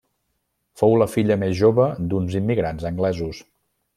Fou la filla més jove d'uns immigrants anglesos.